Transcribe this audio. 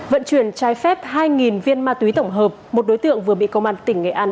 vận chuyển trái phép hai viên ma túy tổng hợp một đối tượng vừa bị công an tỉnh nghệ an